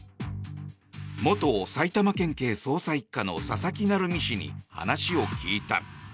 元埼玉県警捜査１課の佐々木成三氏に話を聞いた。